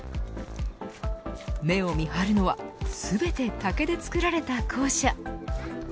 目を見張るのは全て竹で作られた校舎。